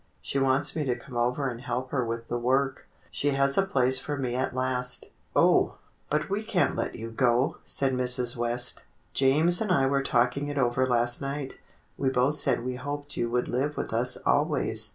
She wants me to come over and help her with the work. She has a place for me at last." "Oh, but we can't let you go," said Mrs. West. "James and I were talking it over last night. We both said we hoped you would live with us always.